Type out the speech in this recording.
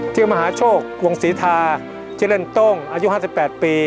ชื่อมหาโชคกวงศรีทาชื่อเล่นโต้งอายุ๕๘ปี